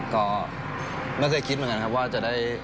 ก็เป็นความสำเร็จหน่อยนะครับผมว่าจับหูกกก็มาเป็นประสบความสำเร็จหน่อยนะครับ